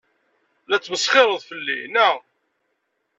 La tesmesxireḍ fell-i, naɣ?